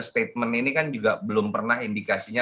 statement ini kan juga belum pernah indikasinya